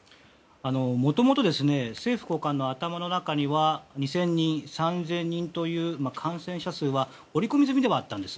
もともと政府高官の頭の中には２０００人、３０００人という感染者数は織り込み済みではあったんです。